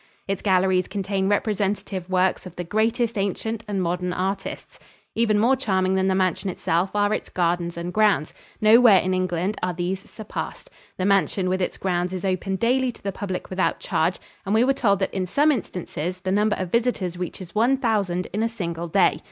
Its galleries contain representative works of the greatest ancient and modern artists. Even more charming than the mansion itself are its gardens and grounds. Nowhere in England are these surpassed. The mansion, with its grounds, is open daily to the public without charge, and we were told that in some instances the number of visitors reaches one thousand in a single day.